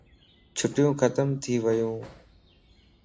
چھٽيون ختم ٿي ويو